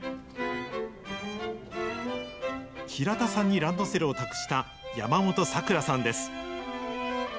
平田さんにランドセルを託した、山本咲良さんです。